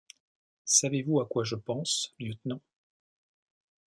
Savez-vous à quoi je pense, lieutenant